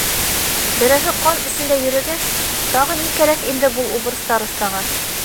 Берәүһе ҡан эсендә йөрөгәс, тағы ни кәрәк инде был убыр старостаға.